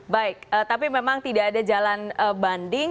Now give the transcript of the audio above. baik tapi memang tidak ada jalan banding